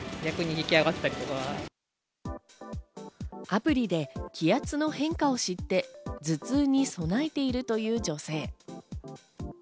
アプリで気圧の変化を知って頭痛に備えているという女性。